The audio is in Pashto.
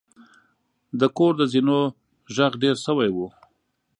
د کور د زینو غږ ډیر شوی و.